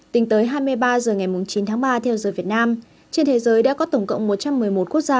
tính tới hai mươi ba h ngày chín tháng ba theo giờ việt nam trên thế giới đã có tổng cộng một trăm một mươi một quốc gia